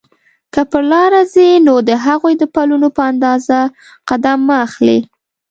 که پر لاره ځې نو د هغوی د پلونو په اندازه قدم به اخلې.